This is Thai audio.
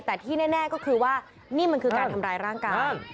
แต่ที่แน่ก็คือว่านี่มันคือการทำร้ายร่างกาย